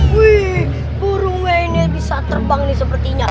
wih buruwe ini bisa terbang nih sepertinya